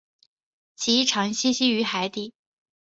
其常栖息于海底。